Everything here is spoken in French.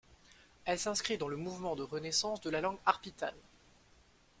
Elle s'inscrit dans le mouvement de renaissance de la langue arpitane.